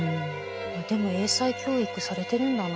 でも英才教育されてるんだな。